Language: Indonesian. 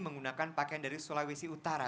menggunakan pakaian dari sulawesi utara